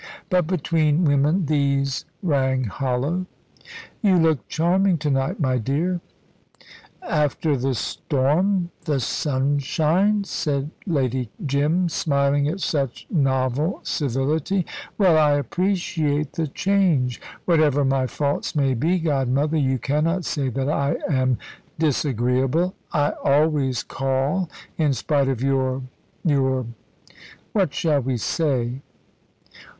But between women these rang hollow. "You look charming to night, my dear." "After the storm, the sunshine," said Lady Jim, smiling at such novel civility. "Well, I appreciate the change. Whatever my faults may be, godmother, you cannot say that I am disagreeable. I always call, in spite of your your what shall we say?"